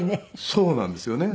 そうなんですよね。